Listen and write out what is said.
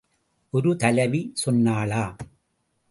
ஒரு தலைவி சொன்னாளாம்.